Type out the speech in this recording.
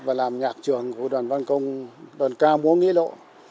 và làm nhạc trường của đoàn văn công đoàn ca múa nghĩa lộ